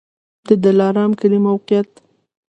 د دلارام کلی موقعیت